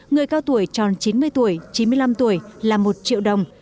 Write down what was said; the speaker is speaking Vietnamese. người cao tuổi tròn chín mươi tuổi chín mươi năm tuổi là một triệu đồng